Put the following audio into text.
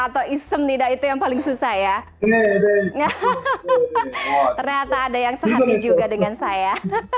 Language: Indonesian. atau isem tidak itu yang paling susah ya ternyata ada yang sehati juga dengan saya